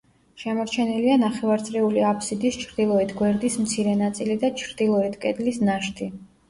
შემორჩენილია ნახევარწრიული აბსიდის ჩრდილოეთ გვერდის მცირე ნაწილი და ჩრდილოეთ კედლის ნაშთი.